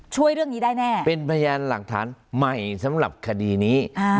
ช่วยเรื่องนี้ได้แน่เป็นพยานหลักฐานใหม่สำหรับคดีนี้